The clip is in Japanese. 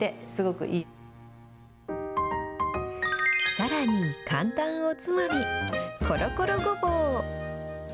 さらに、簡単おつまみ、コロコロごぼう。